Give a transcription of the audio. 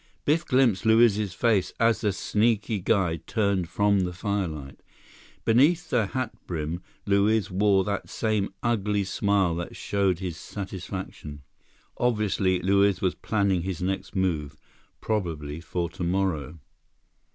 Biff glimpsed Luiz's face as the sneaky guide turned from the firelight. Beneath the hatbrim, Luiz wore that same ugly smile that showed his satisfaction. Obviously, Luiz was planning his next move, probably for tomorrow.